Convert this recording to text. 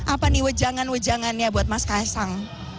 apa nih wejangan wejangannya buat mas kaisang